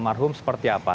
jadi bin bisa mengatakan